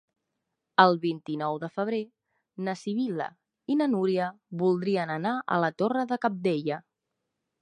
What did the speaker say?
El vint-i-nou de febrer na Sibil·la i na Núria voldrien anar a la Torre de Cabdella.